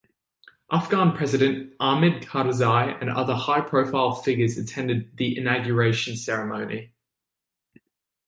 Afghan President Hamid Karzai and other high-profile figures attended the inauguration ceremony.